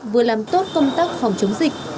vừa làm tốt công tác phòng chống dịch